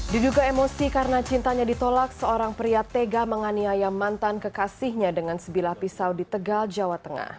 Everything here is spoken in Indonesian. diduga emosi karena cintanya ditolak seorang pria tega menganiaya mantan kekasihnya dengan sebilah pisau di tegal jawa tengah